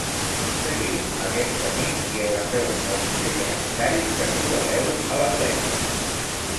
Seguiu aquest camí i agafeu el primer trencall que trobareu a la dreta.